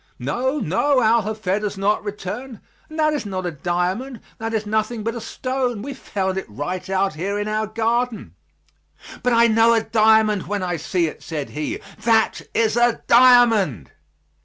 "No, no; Al Hafed has not returned and that is not a diamond; that is nothing but a stone; we found it right out here in our garden." "But I know a diamond when I see it," said he; "that is a diamond!"